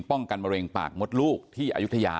ป้องกันแมรงปากมดลูกที่อายุทยา